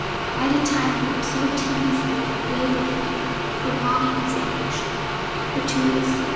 Why did time limp so tediously away with him, prolonging his anguish gratuitously?